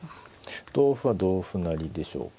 同歩は同歩成でしょうか。